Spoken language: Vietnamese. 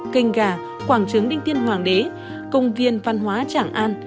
kênh gà quảng trứng đinh tiên hoàng đế công viên văn hóa trảng an